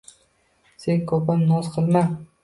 Sen ko‘pam noz qilma.